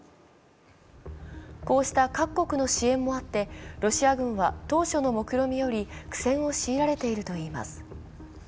こうした各国の支援もあって、ロシア軍は当初のもくろみより苦戦を強いられているといいます。